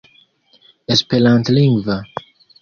esperantlingva